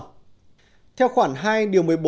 bà quyên hỏi bộ xây dựng trả lời như sau